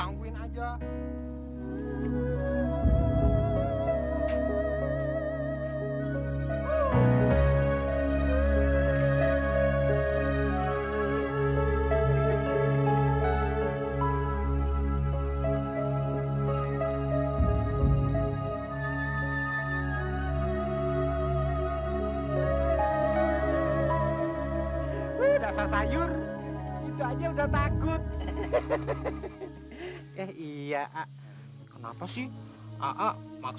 minta sedekahnya pak